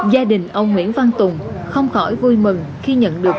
gia đình ông nguyễn văn tùng không khỏi vui mừng khi nhận được